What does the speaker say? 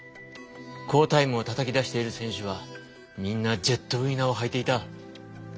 好タイムをたたきだしている選手はみんなジェットウィナーをはいていた。